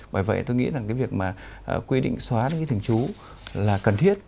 bởi vậy tôi nghĩ là cái việc mà quy định xóa những thỉnh chú là cần thiết